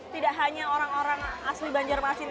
tidak hanya orang orang asli banjarmasin